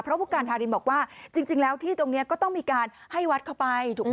เพราะผู้การทารินบอกว่าจริงแล้วที่ตรงนี้ก็ต้องมีการให้วัดเข้าไปถูกไหม